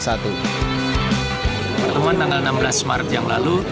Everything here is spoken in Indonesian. pertemuan tanggal enam belas maret yang lalu